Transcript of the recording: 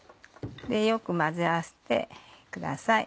よく混ぜ合わせてください。